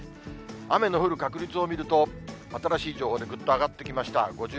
雨の降る確率を見ると、新しい情報でぐっと上がってきました。